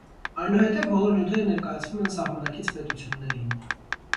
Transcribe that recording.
Այնուհետն բոլոր նյութերը ներկայացվում են սահմանակից պետություններին։